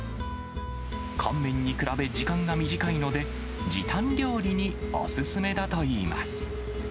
乾麺に比べ時間が短いので、時短料理にお勧めだといいます。